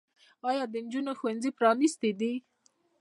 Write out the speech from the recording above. آیا د نجونو ښوونځي پرانیستي دي؟